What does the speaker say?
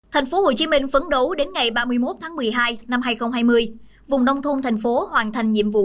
tp hcm phấn đấu đến ngày ba mươi một tháng một mươi hai năm hai nghìn hai mươi vùng nông thôn thành phố hoàn thành nhiệm vụ